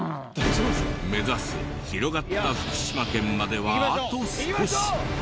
目指す広がった福島県まではあと少し。